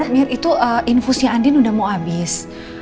mir itu infusnya andin udah mau habis